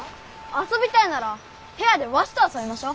遊びたいなら部屋でわしと遊びましょう。